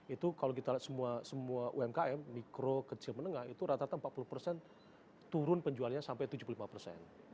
itu kalau kita lihat semua umkm mikro kecil menengah itu rata rata empat puluh persen turun penjualnya sampai tujuh puluh lima persen